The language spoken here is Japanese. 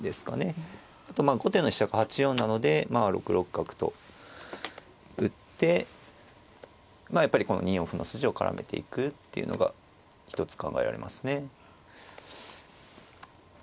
あと後手の飛車が８四なので６六角と打ってやっぱりこの２四歩の筋を絡めていくっていうのが一つ考えられますね。